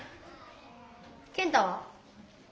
健太は？